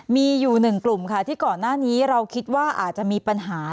มีอยู่หนึ่งกลุ่มค่ะที่ก่อนหน้านี้เราคิดว่าอาจจะมีปัญหา